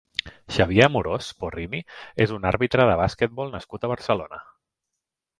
Xavier Amorós Porrini és un àrbitre de basquetbol nascut a Barcelona.